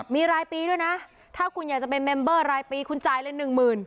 มีรายปีด้วยนะถ้าคุณอยากจะเป็นเมมเบอร์รายปีคุณจ่ายเลย๑หมื่น